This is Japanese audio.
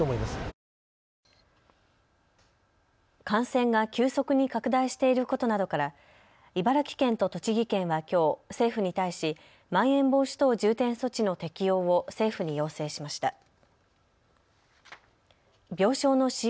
感染が急速に拡大していることなどから茨城県と栃木県はきょう、政府に対し、まん延防止等重点措置の適用を政府に要請しました。